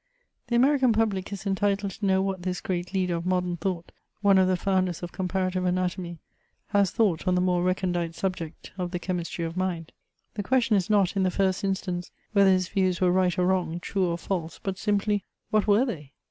The American public is entitled to know what this great leader of modern thought, one of the founders of Comparative Anatomy, has thought on the more recondite subject of the Chemistry of Mind. The question is not, in the first instance, whether his views were right or wrong, true or false ; but simply, What were they?